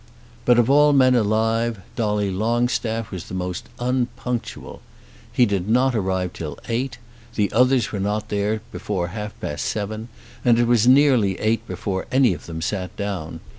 But of all men alive Dolly Longstaff was the most unpunctual. He did not arrive till eight. The others were not there before half past seven, and it was nearly eight before any of them sat down.